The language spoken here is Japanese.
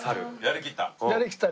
やりきった。